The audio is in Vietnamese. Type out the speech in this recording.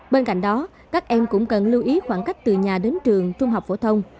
bên cạnh đó các em cũng cần lưu ý khoảng cách từ nhà đến trường trung học phổ thông